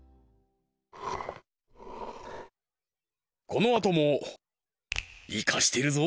このあともイカしてるぞ！